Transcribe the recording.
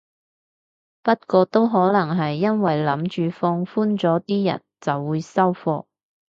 不過都可能係因為諗住放寬咗啲人就會收貨